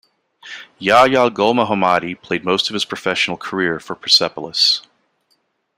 Yahya Golmohammadi played most of his professional career for Persepolis.